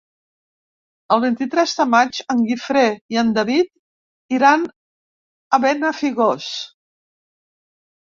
El vint-i-tres de maig en Guifré i en David iran a Benafigos.